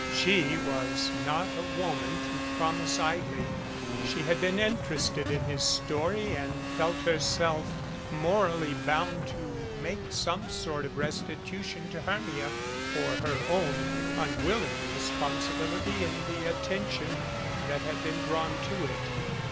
She was not a woman to promise idly. She had been interested in his story and felt herself mor ally bound to make some sort of restitution to Hermia for her own unwilling responsibility in the attention that had been drawn to it.